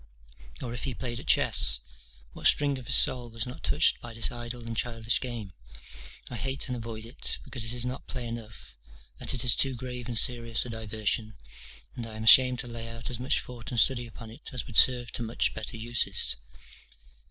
Or, if he played at chess? what string of his soul was not touched by this idle and childish game? I hate and avoid it, because it is not play enough, that it is too grave and serious a diversion, and I am ashamed to lay out as much thought and study upon it as would serve to much better uses.